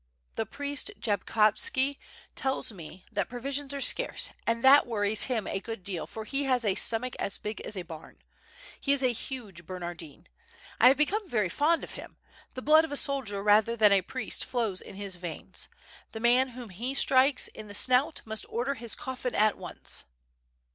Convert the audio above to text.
The prieet Jabkovski tells me that provisions are scarce, and that worries him a good deal for he has a stomach as big as a barn. He is a huge Bernardine; I have become very fond of him; the blood of a soldier rather than a priest flows in his veins. The man whom he strikes in the snout must order his coffin at once.'